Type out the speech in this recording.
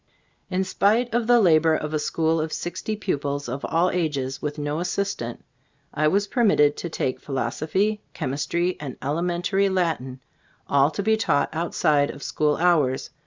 In spite of the labor of a school of sixty pupils of all ages, with no as ttbe £tors ot As (Ibf U>boo& 99 sistant, I was permitted to take phil osophy, chemistry and elementary y Latin — all to be taught outside of school hours.